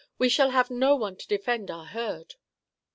We shall have no one to defend our herd."